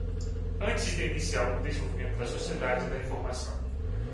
Antes de iniciar o desenvolvimento da Sociedade da Informação.